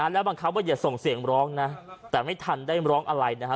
แล้วบังคับว่าอย่าส่งเสียงร้องนะแต่ไม่ทันได้ร้องอะไรนะฮะ